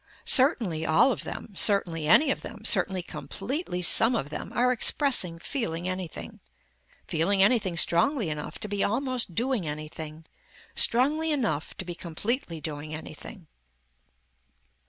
Certainly all of them, certainly any of them, certainly completely some of them are expressing feeling anything, feeling anything strongly enough to be almost doing anything, strongly enough to be completely doing anything.